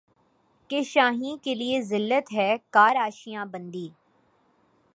کہ شاہیں کیلئے ذلت ہے کار آشیاں بندی